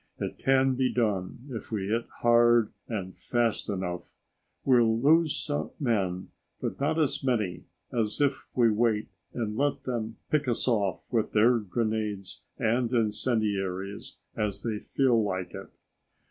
It can be done if we hit hard and fast enough. We'll lose some men, but not as many as if we wait and let them pick us off with their grenades and incendiaries as they feel like it."